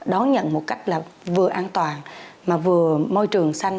đón nhận một cách là vừa an toàn mà vừa môi trường xanh